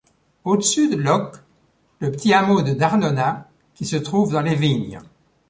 Au-dessus de Loc, le petit hameau de Darnona qui se trouve dans les vignes.